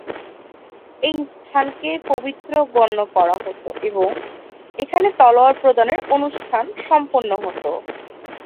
এই স্থানকে পবিত্র গণ্য করা হত এবং এখানে তলোয়ার প্রদানের অনুষ্ঠান সম্পন্ন হত।